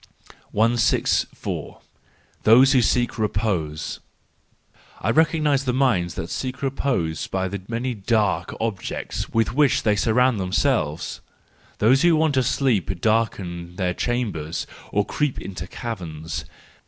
164. Those who Seek Repose. —I recognise the minds that seek repose by the many dark objects with which they surround themselves: those who want to sleep darken their chambers, or creep into caverns.